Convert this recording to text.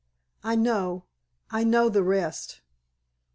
I know—I know the rest!"